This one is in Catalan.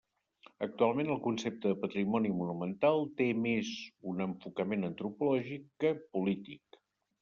Actualment, el concepte de patrimoni monumental té més un enfocament antropològic que polític.